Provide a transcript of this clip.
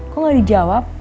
kok gak dijawab kenapa